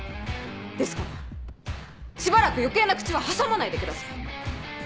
ですからしばらく余計な口は挟まないでください。